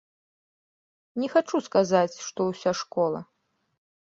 Не хачу сказаць, што ўся школа.